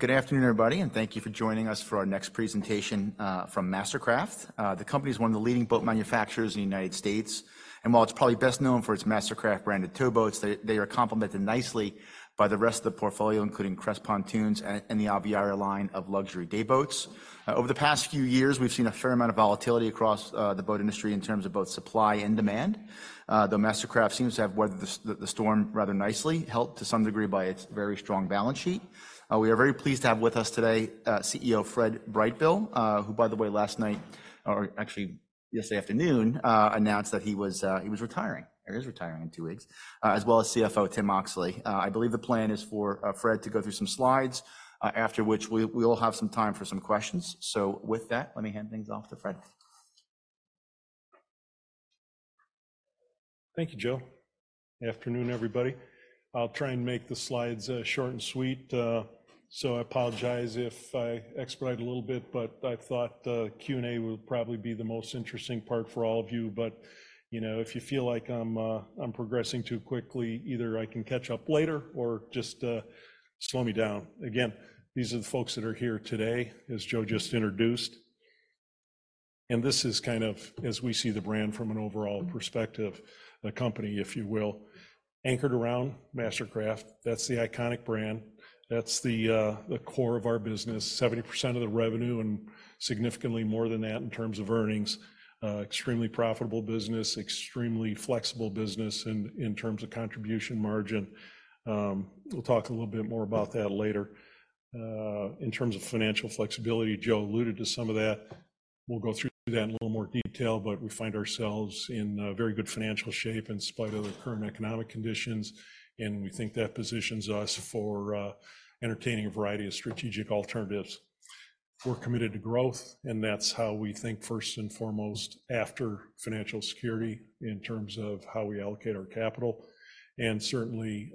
Good afternoon, everybody, and thank you for joining us for our next presentation from MasterCraft. The company is one of the leading boat manufacturers in the United States, and while it's probably best known for its MasterCraft-branded towboats, they are complemented nicely by the rest of the portfolio, including Crest Pontoons and the Aviara line of luxury dayboats. Over the past few years, we've seen a fair amount of volatility across the boat industry in terms of both supply and demand, though MasterCraft seems to have weathered the storm rather nicely, helped to some degree by its very strong balance sheet. We are very pleased to have with us today CEO Fred Brightbill, who, by the way, last night—or actually, yesterday afternoon—announced that he was retiring. He is retiring in two weeks, as well as CFO Tim Oxley. I believe the plan is for Fred to go through some slides, after which we will have some time for some questions. With that, let me hand things off to Fred. Thank you, Joe. Afternoon, everybody. I'll try and make the slides short and sweet, so I apologize if I expedite a little bit, but I thought Q&A would probably be the most interesting part for all of you. But if you feel like I'm progressing too quickly, either I can catch up later or just slow me down. Again, these are the folks that are here today, as Joe just introduced. And this is kind of, as we see the brand from an overall perspective, a company, if you will, anchored around MasterCraft. That's the iconic brand. That's the core of our business: 70% of the revenue and significantly more than that in terms of earnings. Extremely profitable business, extremely flexible business in terms of contribution margin. We'll talk a little bit more about that later. In terms of financial flexibility, Joe alluded to some of that. We'll go through that in a little more detail, but we find ourselves in very good financial shape in spite of the current economic conditions, and we think that positions us for entertaining a variety of strategic alternatives. We're committed to growth, and that's how we think, first and foremost, after financial security in terms of how we allocate our capital. And certainly,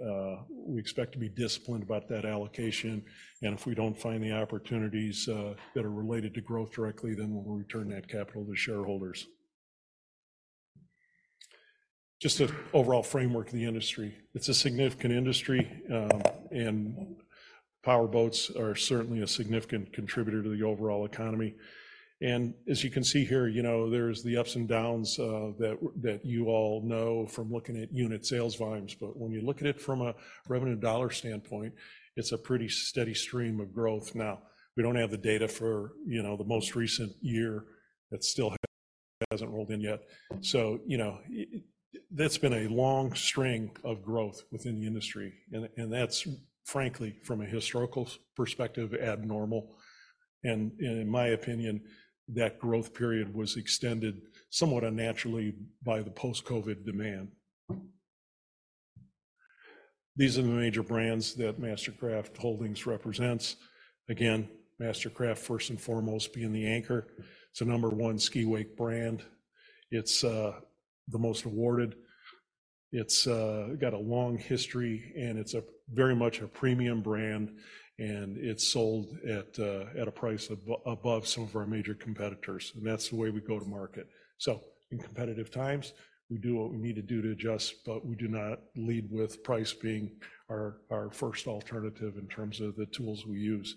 we expect to be disciplined about that allocation, and if we don't find the opportunities that are related to growth directly, then we'll return that capital to shareholders. Just an overall framework of the industry. It's a significant industry, and powerboats are certainly a significant contributor to the overall economy. As you can see here, there are the ups and downs that you all know from looking at unit sales volumes, but when you look at it from a revenue dollar standpoint, it's a pretty steady stream of growth. Now, we don't have the data for the most recent year; it still hasn't rolled in yet. That's been a long string of growth within the industry, and that's, frankly, from a historical perspective, abnormal. In my opinion, that growth period was extended somewhat unnaturally by the post-COVID demand. These are the major brands that MasterCraft Holdings represents. Again, MasterCraft, first and foremost, being the anchor, it's a number one ski-wake brand. It's the most awarded. It's got a long history, and it's very much a premium brand, and it's sold at a price above some of our major competitors, and that's the way we go to market. So in competitive times, we do what we need to do to adjust, but we do not lead with price being our first alternative in terms of the tools we use.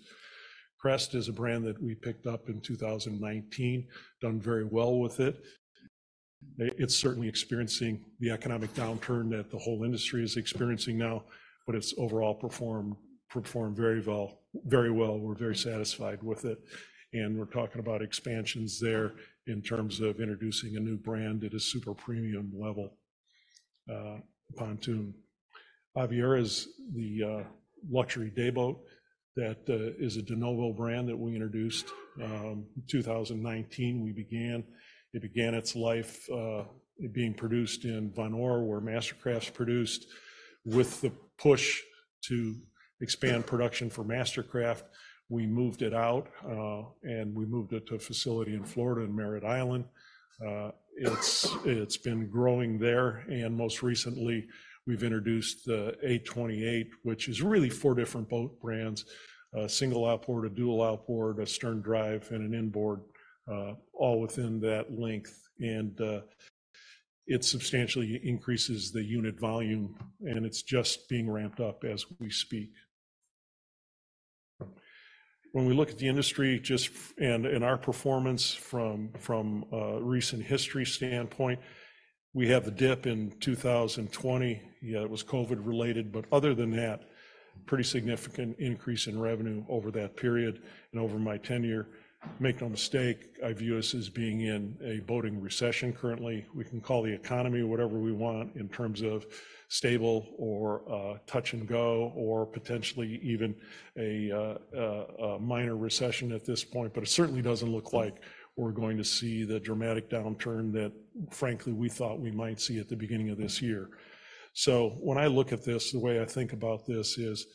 Crest is a brand that we picked up in 2019, done very well with it. It's certainly experiencing the economic downturn that the whole industry is experiencing now, but it's overall performed very well. We're very satisfied with it, and we're talking about expansions there in terms of introducing a new brand at a super premium level. Pontoon. Aviara is the luxury dayboat that is a de novo brand that we introduced in 2019. It began its life being produced in Vonore, where MasterCraft produced. With the push to expand production for MasterCraft, we moved it out, and we moved it to a facility in Florida and Merritt Island. It's been growing there, and most recently, we've introduced the AV28, which is really four different boat brands: a single outboard, a dual outboard, a stern drive, and an inboard, all within that length. It substantially increases the unit volume, and it's just being ramped up as we speak. When we look at the industry and our performance from a recent history standpoint, we have the dip in 2020. Yeah, it was COVID-related, but other than that, pretty significant increase in revenue over that period and over my tenure. Make no mistake, I view this as being in a boating recession currently. We can call the economy whatever we want in terms of stable or touch and go or potentially even a minor recession at this point, but it certainly doesn't look like we're going to see the dramatic downturn that, frankly, we thought we might see at the beginning of this year. So when I look at this, the way I think about this is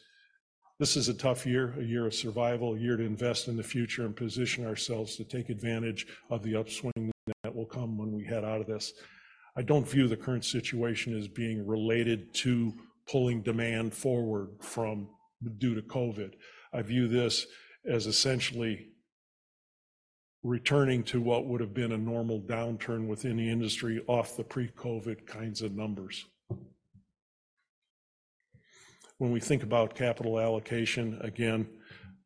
this is a tough year, a year of survival, a year to invest in the future and position ourselves to take advantage of the upswing that will come when we head out of this. I don't view the current situation as being related to pulling demand forward due to COVID. I view this as essentially returning to what would have been a normal downturn within the industry off the pre-COVID kinds of numbers. When we think about capital allocation, again,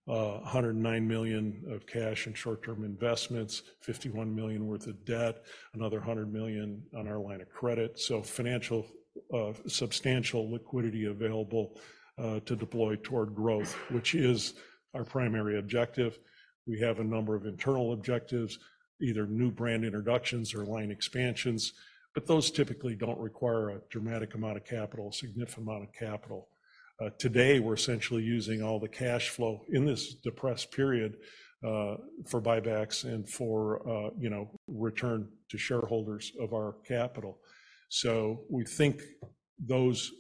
$109 million of cash in short-term investments, $51 million worth of debt, another $100 million on our line of credit, so substantial financial liquidity available to deploy toward growth, which is our primary objective. We have a number of internal objectives, either new brand introductions or line expansions, but those typically don't require a dramatic amount of capital, a significant amount of capital. Today, we're essentially using all the cash flow in this depressed period for buybacks and for return to shareholders of our capital. So we think those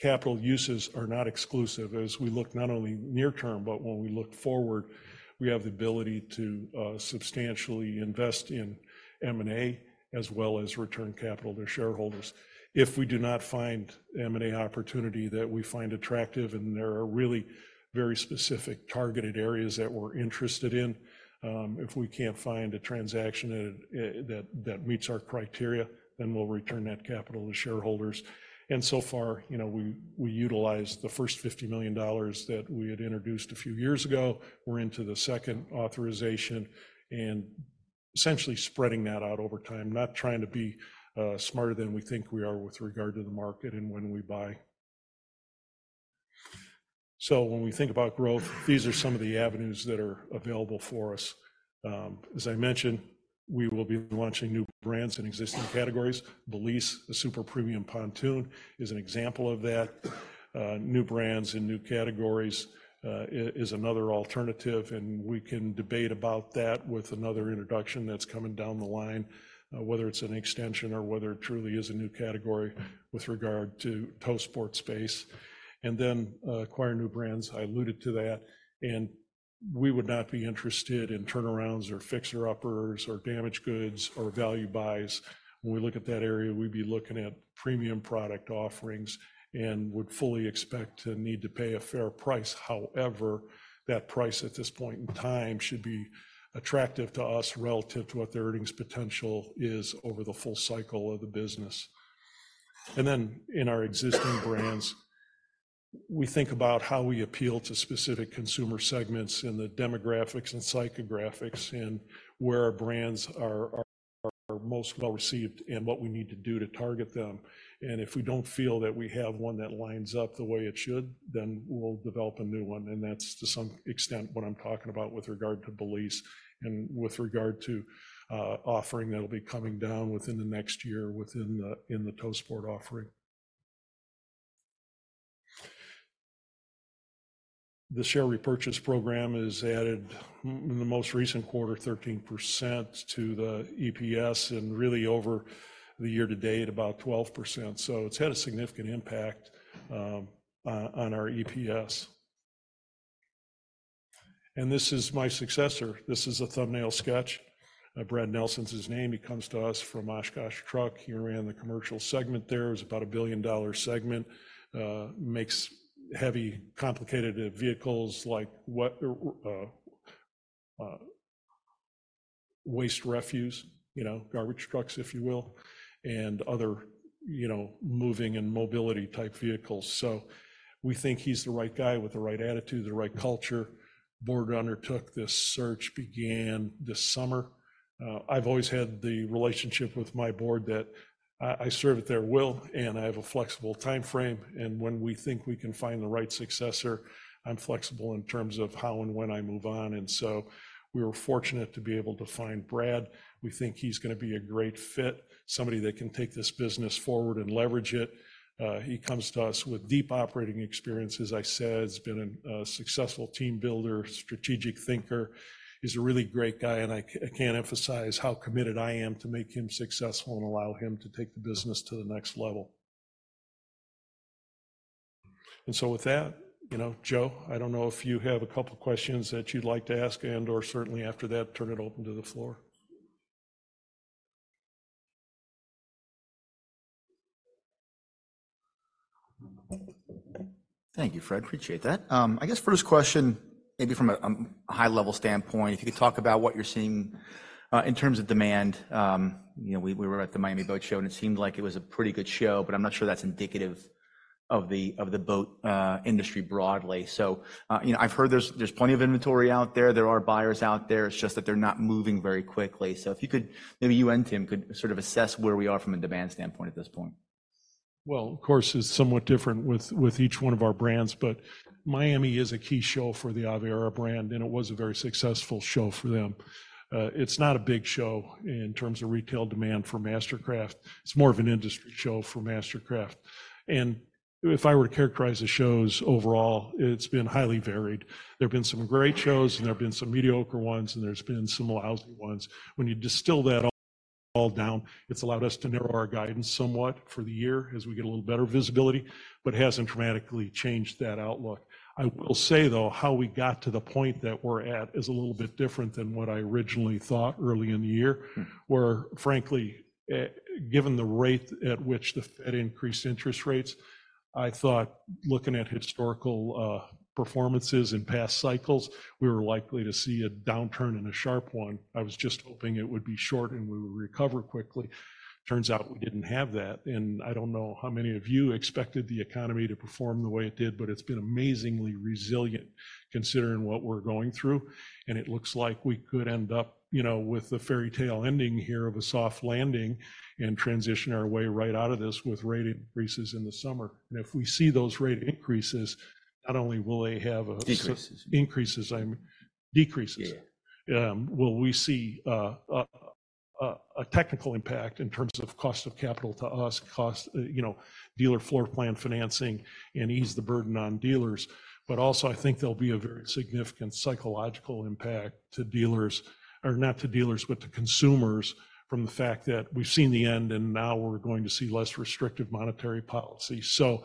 capital uses are not exclusive as we look not only near term, but when we look forward, we have the ability to substantially invest in M&A as well as return capital to shareholders. If we do not find M&A opportunity that we find attractive and there are really very specific targeted areas that we're interested in, if we can't find a transaction that meets our criteria, then we'll return that capital to shareholders. And so far, we utilize the first $50 million that we had introduced a few years ago. We're into the second authorization and essentially spreading that out over time, not trying to be smarter than we think we are with regard to the market and when we buy. So when we think about growth, these are some of the avenues that are available for us. As I mentioned, we will be launching new brands in existing categories. Balise, a super premium pontoon, is an example of that. New brands in new categories is another alternative, and we can debate about that with another introduction that's coming down the line, whether it's an extension or whether it truly is a new category with regard to tow sports space. And then acquire new brands. I alluded to that, and we would not be interested in turnarounds or fixer-uppers or damaged goods or value buys. When we look at that area, we'd be looking at premium product offerings and would fully expect to need to pay a fair price. However, that price at this point in time should be attractive to us relative to what their earnings potential is over the full cycle of the business. And then in our existing brands, we think about how we appeal to specific consumer segments in the demographics and psychographics and where our brands are most well received and what we need to do to target them. And if we don't feel that we have one that lines up the way it should, then we'll develop a new one. And that's, to some extent, what I'm talking about with regard to Balise and with regard to offering that will be coming down within the next year within the tow sports offering. The share repurchase program has added in the most recent quarter 13% to the EPS and really over the year to date about 12%. So it's had a significant impact on our EPS. And this is my successor. This is a thumbnail sketch. Brad Nelson's his name. He comes to us from Oshkosh Truck. He ran the commercial segment there. It was about a $1 billion segment. Makes heavy, complicated vehicles like waste refuse, garbage trucks, if you will, and other moving and mobility type vehicles. So we think he's the right guy with the right attitude, the right culture. Board undertook this search, began this summer. I've always had the relationship with my board that I serve at their will, and I have a flexible time frame. And when we think we can find the right successor, I'm flexible in terms of how and when I move on. And so we were fortunate to be able to find Brad. We think he's going to be a great fit, somebody that can take this business forward and leverage it. He comes to us with deep operating experience. As I said, he's been a successful team builder, strategic thinker. He's a really great guy, and I can't emphasize how committed I am to make him successful and allow him to take the business to the next level. And so with that, Joe, I don't know if you have a couple of questions that you'd like to ask and/or certainly after that, turn it open to the floor. Thank you, Fred. Appreciate that. I guess first question, maybe from a high-level standpoint, if you could talk about what you're seeing in terms of demand. We were at the Miami Boat Show, and it seemed like it was a pretty good show, but I'm not sure that's indicative of the boat industry broadly. So I've heard there's plenty of inventory out there. There are buyers out there. It's just that they're not moving very quickly. So if you could, maybe you and Tim could sort of assess where we are from a demand standpoint at this point. Well, of course, it's somewhat different with each one of our brands, but Miami is a key show for the Aviara brand, and it was a very successful show for them. It's not a big show in terms of retail demand for MasterCraft. It's more of an industry show for MasterCraft. And if I were to characterize the shows overall, it's been highly varied. There have been some great shows, and there have been some mediocre ones, and there's been some lousy ones. When you distill that all down, it's allowed us to narrow our guidance somewhat for the year as we get a little better visibility, but hasn't dramatically changed that outlook. I will say, though, how we got to the point that we're at is a little bit different than what I originally thought early in the year, where, frankly, given the rate at which the Fed increased interest rates, I thought looking at historical performances in past cycles, we were likely to see a downturn and a sharp one. I was just hoping it would be short and we would recover quickly. Turns out we didn't have that. And I don't know how many of you expected the economy to perform the way it did, but it's been amazingly resilient considering what we're going through. And it looks like we could end up with the fairy tale ending here of a soft landing and transition our way right out of this with rate increases in the summer. And if we see those rate increases, not only will they have increases, I mean, decreases, but will we see a technical impact in terms of cost of capital to us, cost dealer floor plan financing, and ease the burden on dealers. But also, I think there'll be a very significant psychological impact to dealers, or not to dealers, but to consumers from the fact that we've seen the end, and now we're going to see less restrictive monetary policy. So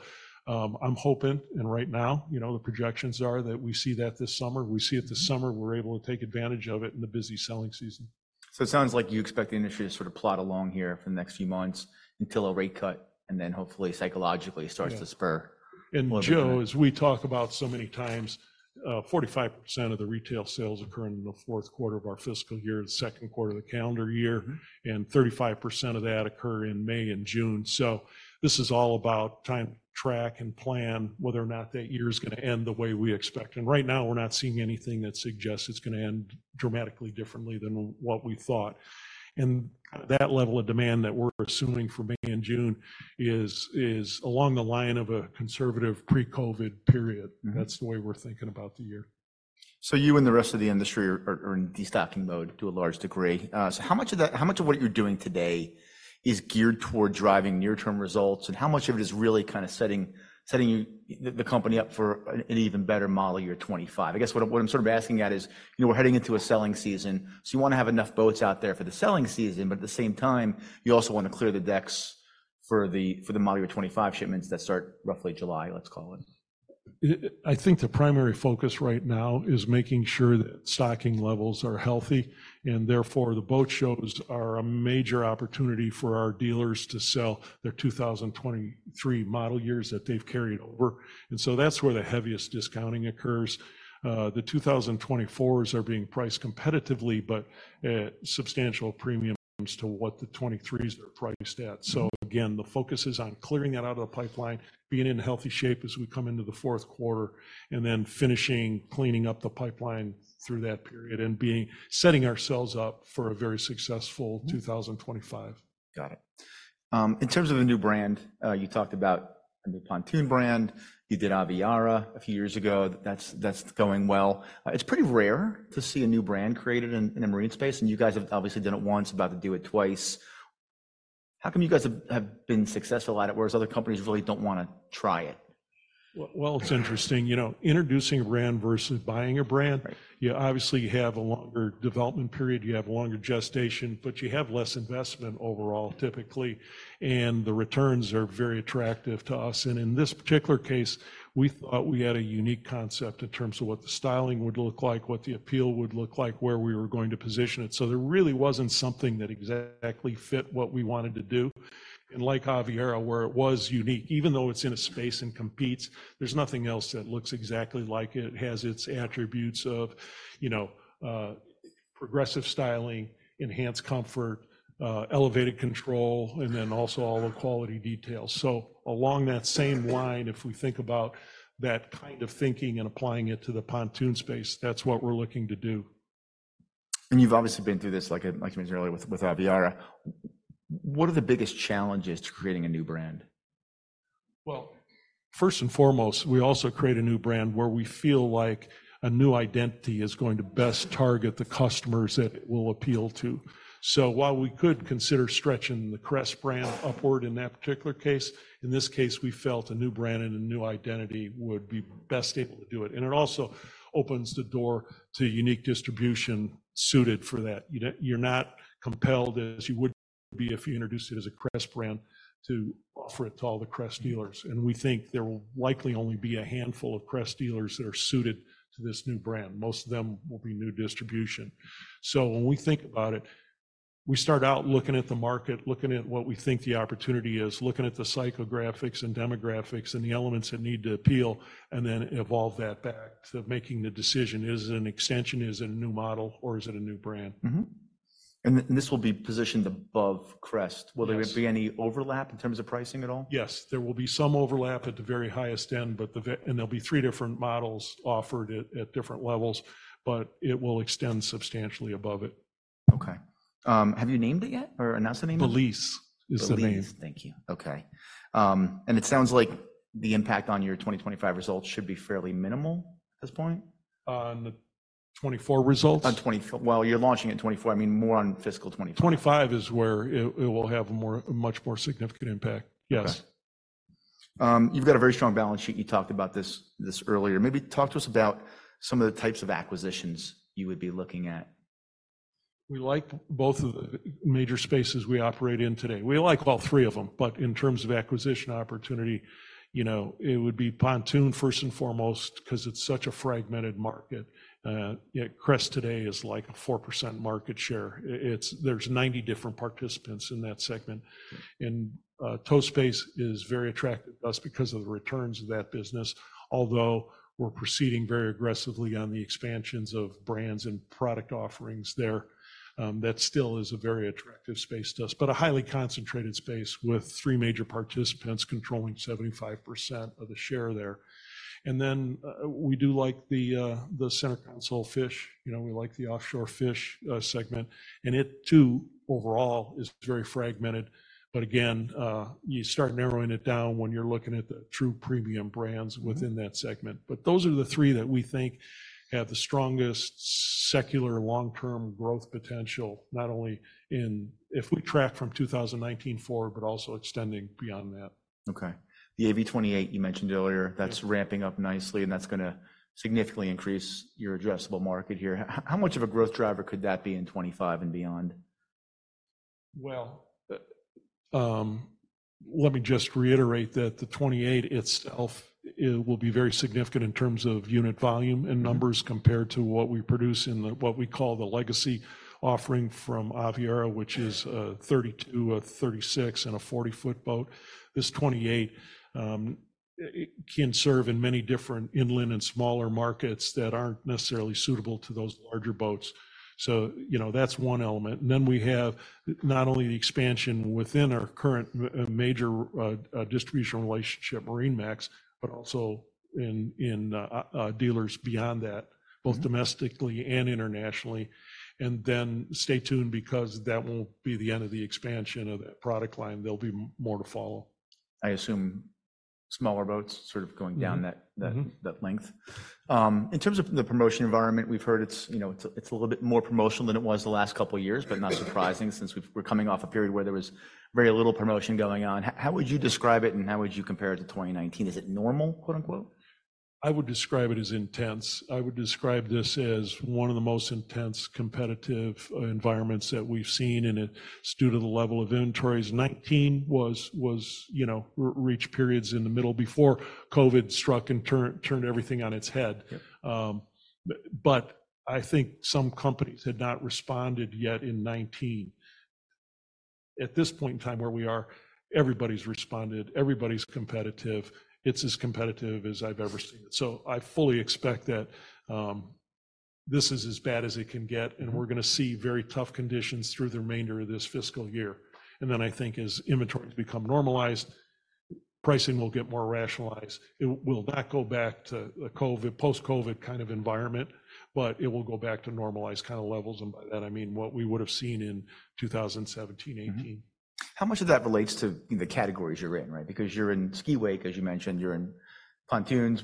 I'm hoping, and right now the projections are that we see that this summer. We see it this summer. We're able to take advantage of it in the busy selling season. So it sounds like you expect the industry to sort of plot along here for the next few months until a rate cut and then hopefully psychologically starts to spur. Joe, as we talk about so many times, 45% of the retail sales occur in the fourth quarter of our fiscal year, the second quarter of the calendar year, and 35% of that occur in May and June. So this is all about time track and plan whether or not that year is going to end the way we expect. Right now, we're not seeing anything that suggests it's going to end dramatically differently than what we thought. That level of demand that we're assuming for May and June is along the line of a conservative pre-COVID period. That's the way we're thinking about the year. So you and the rest of the industry are in de-stocking mode to a large degree. So how much of what you're doing today is geared toward driving near-term results, and how much of it is really kind of setting the company up for an even better model year 2025? I guess what I'm sort of asking at is we're heading into a selling season, so you want to have enough boats out there for the selling season, but at the same time, you also want to clear the decks for the model year 2025 shipments that start roughly July, let's call it. I think the primary focus right now is making sure that stocking levels are healthy, and therefore the boat shows are a major opportunity for our dealers to sell their 2023 model years that they've carried over. And so that's where the heaviest discounting occurs. The 2024s are being priced competitively, but substantial premiums to what the '23s are priced at. So again, the focus is on clearing that out of the pipeline, being in healthy shape as we come into the fourth quarter, and then finishing cleaning up the pipeline through that period and setting ourselves up for a very successful 2025. Got it. In terms of a new brand, you talked about a new pontoon brand. You did Aviara a few years ago. That's going well. It's pretty rare to see a new brand created in the marine space, and you guys have obviously done it once, about to do it twice. How come you guys have been successful at it, whereas other companies really don't want to try it? Well, it's interesting. Introducing a brand versus buying a brand, obviously you have a longer development period. You have a longer gestation, but you have less investment overall typically, and the returns are very attractive to us. And in this particular case, we thought we had a unique concept in terms of what the styling would look like, what the appeal would look like, where we were going to position it. So there really wasn't something that exactly fit what we wanted to do. And like Aviara, where it was unique, even though it's in a space and competes, there's nothing else that looks exactly like it. It has its attributes of progressive styling, enhanced comfort, elevated control, and then also all the quality details. So along that same line, if we think about that kind of thinking and applying it to the pontoon space, that's what we're looking to do. You've obviously been through this, like you mentioned earlier, with Aviara. What are the biggest challenges to creating a new brand? Well, first and foremost, we also create a new brand where we feel like a new identity is going to best target the customers that it will appeal to. So while we could consider stretching the Crest brand upward in that particular case, in this case, we felt a new brand and a new identity would be best able to do it. And it also opens the door to unique distribution suited for that. You're not compelled, as you would be if you introduced it as a Crest brand, to offer it to all the Crest dealers. And we think there will likely only be a handful of Crest dealers that are suited to this new brand. Most of them will be new distribution. When we think about it, we start out looking at the market, looking at what we think the opportunity is, looking at the psychographics and demographics and the elements that need to appeal, and then evolve that back to making the decision: is it an extension, is it a new model, or is it a new brand? This will be positioned above Crest. Will there be any overlap in terms of pricing at all? Yes, there will be some overlap at the very highest end, and there'll be three different models offered at different levels, but it will extend substantially above it. Okay. Have you named it yet or announced the name? Balise is the name. Balise. Thank you. Okay. And it sounds like the impact on your 2025 results should be fairly minimal at this point. On the 2024 results? Well, you're launching at 2024. I mean, more on fiscal 2024. 2025 is where it will have a much more significant impact. Yes. Okay. You've got a very strong balance sheet. You talked about this earlier. Maybe talk to us about some of the types of acquisitions you would be looking at. We like both of the major spaces we operate in today. We like all three of them, but in terms of acquisition opportunity, it would be pontoon first and foremost because it's such a fragmented market. Crest today is like a 4% market share. There's 90 different participants in that segment. Tow space is very attractive to us because of the returns of that business, although we're proceeding very aggressively on the expansions of brands and product offerings there. That still is a very attractive space to us, but a highly concentrated space with three major participants controlling 75% of the share there. Then we do like the center console fish. We like the offshore fish segment. It too, overall, is very fragmented. But again, you start narrowing it down when you're looking at the true premium brands within that segment. But those are the three that we think have the strongest secular long-term growth potential, not only if we track from 2019 forward, but also extending beyond that. Okay. The AV28 you mentioned earlier, that's ramping up nicely, and that's going to significantly increase your addressable market here. How much of a growth driver could that be in 2025 and beyond? Well, let me just reiterate that the 28 itself will be very significant in terms of unit volume and numbers compared to what we produce in what we call the legacy offering from Aviara, which is a 32, a 36, and a 40-foot boat. This 28 can serve in many different inland and smaller markets that aren't necessarily suitable to those larger boats. So that's one element. And then we have not only the expansion within our current major distribution relationship, MarineMax, but also in dealers beyond that, both domestically and internationally. And then stay tuned because that won't be the end of the expansion of that product line. There'll be more to follow. I assume smaller boats sort of going down that length. In terms of the promotion environment, we've heard it's a little bit more promotional than it was the last couple of years, but not surprising since we're coming off a period where there was very little promotion going on. How would you describe it, and how would you compare it to 2019? Is it normal? I would describe it as intense. I would describe this as one of the most intense competitive environments that we've seen, and it's due to the level of inventories. 2019 reached periods in the middle before COVID struck and turned everything on its head. But I think some companies had not responded yet in 2019. At this point in time where we are, everybody's responded. Everybody's competitive. It's as competitive as I've ever seen it. So I fully expect that this is as bad as it can get, and we're going to see very tough conditions through the remainder of this fiscal year. And then I think as inventories become normalized, pricing will get more rationalized. It will not go back to the post-COVID kind of environment, but it will go back to normalized kind of levels. And by that, I mean what we would have seen in 2017, 2018. How much of that relates to the categories you're in, right? Because you're in ski-wake, as you mentioned. You're in pontoons.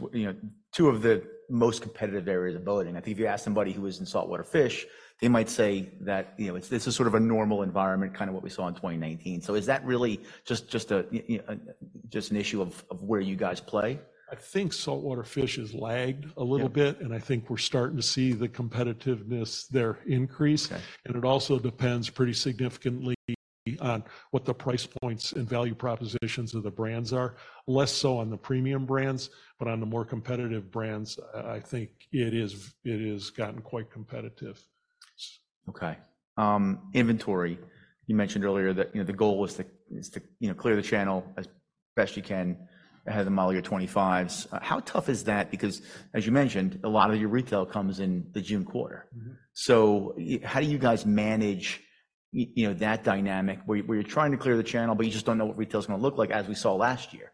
Two of the most competitive areas of boating. I think if you ask somebody who is in saltwater fish, they might say that this is sort of a normal environment, kind of what we saw in 2019. So is that really just an issue of where you guys play? I think saltwater fish has lagged a little bit, and I think we're starting to see the competitiveness there increase. It also depends pretty significantly on what the price points and value propositions of the brands are, less so on the premium brands. But on the more competitive brands, I think it has gotten quite competitive. Okay. Inventory. You mentioned earlier that the goal is to clear the channel as best you can ahead of the Model Year '25s. How tough is that? Because as you mentioned, a lot of your retail comes in the June quarter. So how do you guys manage that dynamic where you're trying to clear the channel, but you just don't know what retail is going to look like as we saw last year,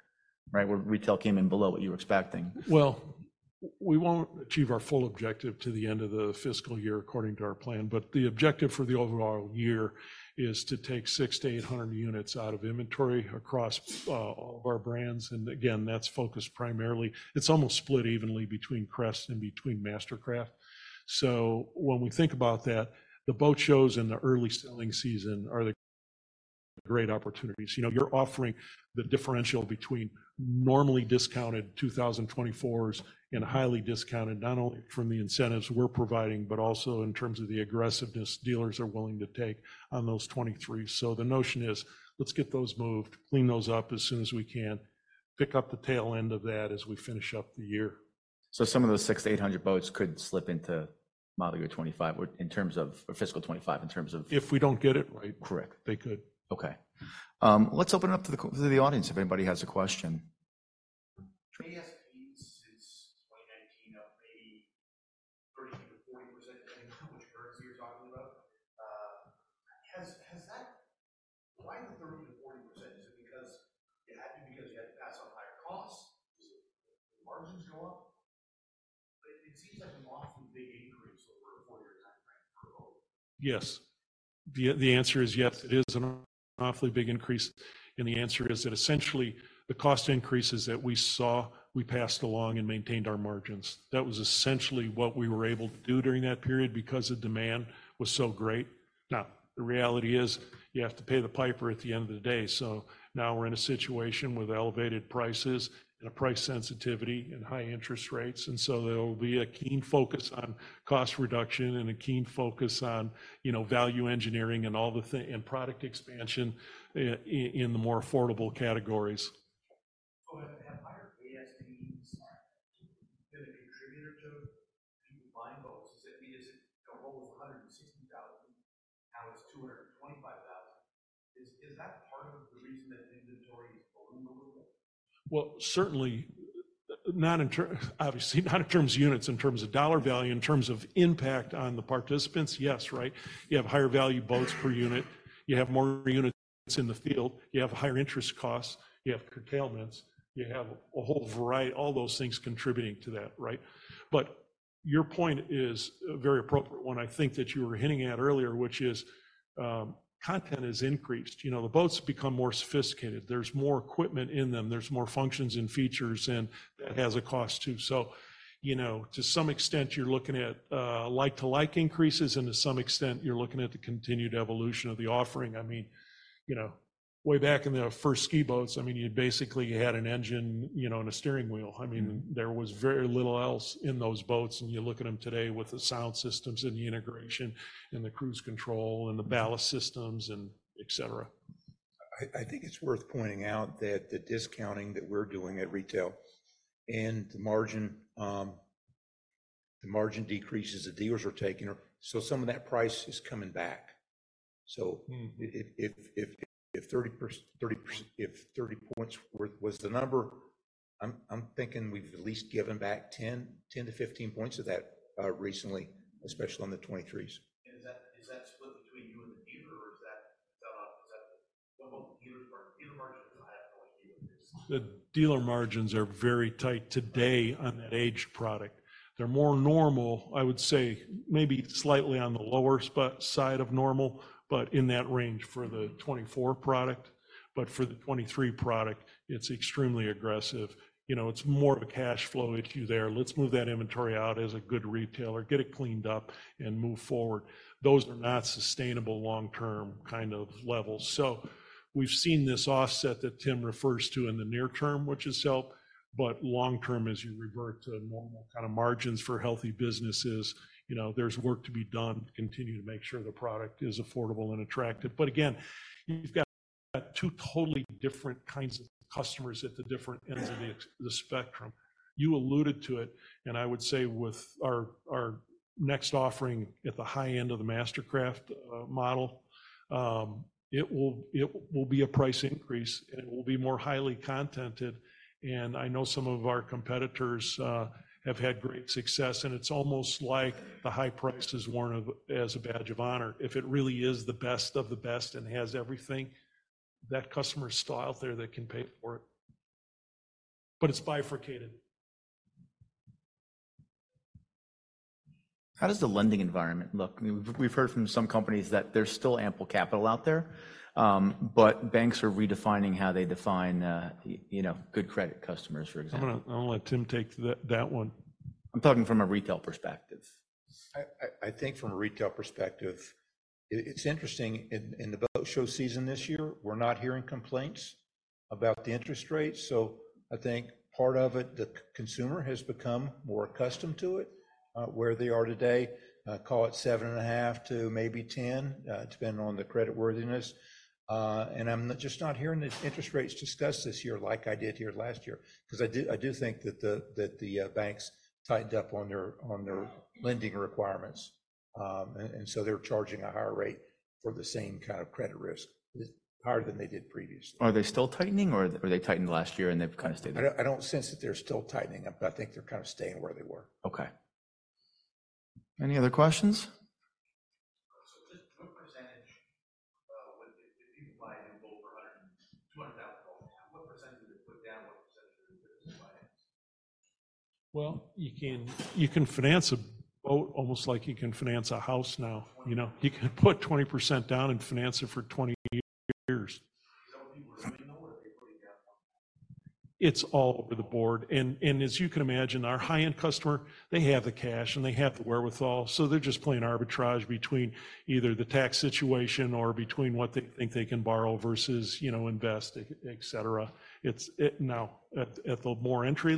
right, where retail came in below what you were expecting? Well, we won't achieve our full objective to the end of the fiscal year according to our plan, but the objective for the overall year is to take 600-800 units out of inventory across all of our brands. And again, that's focused primarily it's almost split evenly between Crest and between MasterCraft. So when we think about that, the boat shows in the early selling season are great opportunities. You're offering the differential between normally discounted 2024s and highly discounted, not only from the incentives we're providing, but also in terms of the aggressiveness dealers are willing to take on those 2023s. So the notion is, let's get those moved, clean those up as soon as we can, pick up the tail end of that as we finish up the year. So some of those 600-800 boats could slip into Model Year 2025 in terms of or fiscal 2025 in terms of. If we don't get it right. Correct. They could. Okay. Let's open it up to the audience if anybody has a question? ASP since 2019 up maybe 30%-40%, depending on which currency you're talking about. Why the 30%-40%? Is it because it had to be because you had to pass on higher costs? Does it make the margins go up? But it seems like an awfully big increase over a four-year time frame per boat. Yes. The answer is yes, it is an awfully big increase. And the answer is that essentially the cost increases that we saw, we passed along and maintained our margins. That was essentially what we were able to do during that period because the demand was so great. Now, the reality is you have to pay the piper at the end of the day. So now we're in a situation with elevated prices and a price sensitivity and high interest rates. And so there will be a keen focus on cost reduction and a keen focus on value engineering and product expansion in the more affordable categories. Go ahead. Have higher ASPs been a contributor to people buying boats? Is it because a boat was $160,000, now it's $225,000? Is that part of the reason that inventory has ballooned a little bit? Well, certainly obviously, not in terms of units, in terms of dollar value, in terms of impact on the participants, yes, right? You have higher value boats per unit. You have more units in the field. You have higher interest costs. You have curtailments. You have a whole variety, all those things contributing to that, right? But your point is very appropriate. One I think that you were hinting at earlier, which is content has increased. The boats have become more sophisticated. There's more equipment in them. There's more functions and features, and that has a cost too. So to some extent, you're looking at like-to-like increases, and to some extent, you're looking at the continued evolution of the offering. I mean, way back in the first ski boats, I mean, you basically had an engine and a steering wheel. I mean, there was very little else in those boats. You look at them today with the sound systems and the integration and the cruise control and the ballast systems, etc. I think it's worth pointing out that the discounting that we're doing at retail and the margin decreases that dealers are taking, so some of that price is coming back. So if 30 points was the number, I'm thinking we've at least given back 10-15 points of that recently, especially on the 2023s. Is that split between you and the dealer, or is that what the dealer margins are? The dealer margins are. I have no idea what it is. The dealer margins are very tight today on that aged product. They're more normal, I would say, maybe slightly on the lower side of normal, but in that range for the 2024 product. But for the 2023 product, it's extremely aggressive. It's more of a cash flow issue there. Let's move that inventory out as a good retailer, get it cleaned up, and move forward. Those are not sustainable long-term kind of levels. So we've seen this offset that Tim refers to in the near term, which has helped, but long-term, as you revert to normal kind of margins for healthy businesses, there's work to be done to continue to make sure the product is affordable and attractive. But again, you've got two totally different kinds of customers at the different ends of the spectrum. You alluded to it. I would say with our next offering at the high end of the MasterCraft model, it will be a price increase, and it will be more highly contented. I know some of our competitors have had great success, and it's almost like the high price is worn as a badge of honor. If it really is the best of the best and has everything, that customer's style there that can pay for it. But it's bifurcated. How does the lending environment look? I mean, we've heard from some companies that there's still ample capital out there, but banks are redefining how they define good credit customers, for example. I'm going to let Tim take that one. I'm talking from a retail perspective. I think from a retail perspective, it's interesting. In the boat show season this year, we're not hearing complaints about the interest rates. So I think part of it, the consumer has become more accustomed to it where they are today. Call it 7.5 to maybe 10, depending on the creditworthiness. And I'm just not hearing the interest rates discussed this year like I did here last year because I do think that the banks tightened up on their lending requirements. And so they're charging a higher rate for the same kind of credit risk, higher than they did previously. Are they still tightening, or are they tightened last year and they've kind of stayed there? I don't sense that they're still tightening. I think they're kind of staying where they were. Okay. Any other questions? So, just what percentage of people buy a new boat for $200,000 now? What percentage of it put down? What percentage of it would they buy next? Well, you can finance a boat almost like you can finance a house now. You can put 20% down and finance it for 20 years. So people are paying more, or are they putting down more? It's all over the board. As you can imagine, our high-end customer, they have the cash and they have the wherewithal. They're just playing arbitrage between either the tax situation or between what they think they can borrow versus invest, etc. Now, at the more entry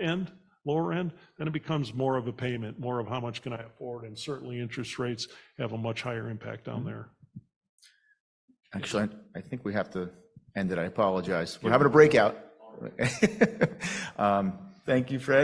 end, lower end, then it becomes more of a payment, more of how much can I afford. Certainly, interest rates have a much higher impact on there. Actually, I think we have to end it. I apologize. We're having a breakout. Thank you, Fred.